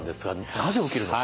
なぜ起きるのか？